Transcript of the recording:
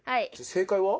正解は？